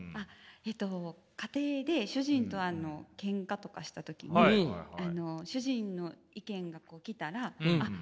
家庭で主人とケンカとかした時に主人の意見が来たらあっ